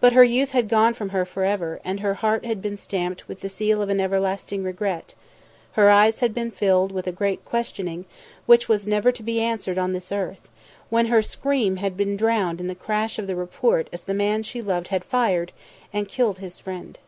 But her youth had gone from her forever and her heart had been stamped with the seal of an everlasting regret; her eyes had been filled with a great questioning which was never to be answered on this earth, when her scream had been drowned in the crash of the report as the man she loved had fired, and killed his friend.